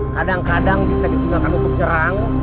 kadang kadang bisa digunakan untuk nyerang